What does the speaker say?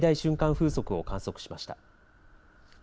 風速を観測しました。